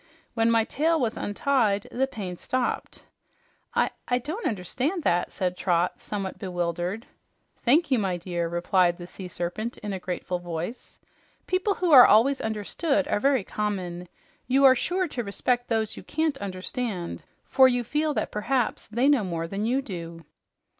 When my tail was untied, the pain stopped." "I I don't understand that," said Trot, somewhat bewildered. "Thank you, my dear," replied the Sea Serpent in a grateful voice. "People who are always understood are very common. You are sure to respect those you can't understand, for you feel that perhaps they know more than you do."